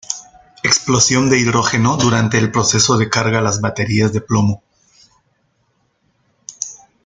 Explosión de hidrógeno durante el proceso de carga las baterías de plomo.